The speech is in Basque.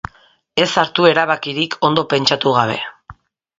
Ez hartu erabikirik ondo pentsatu gabe!